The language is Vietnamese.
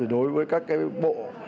đối với các cái bộ